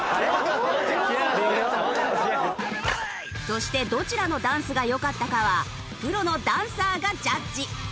そしてどちらのダンスが良かったかはプロのダンサーがジャッジ！